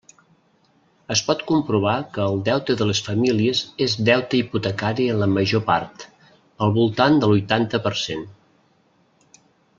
Es pot comprovar que el deute de les famílies és deute hipotecari en la major part, al voltant del huitanta per cent.